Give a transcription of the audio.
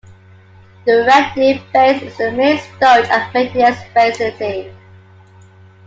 The Red Deer base is the main storage and maintenance facility.